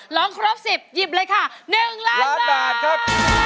ร้องครบ๑๐หยิบเลยค่ะ๑ล้านบาทครับ